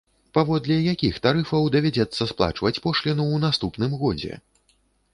Паводле якіх тарыфаў давядзецца сплачваць пошліну ў наступным годзе?